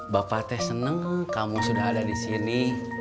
bapak teh seneng kamu sudah ada disini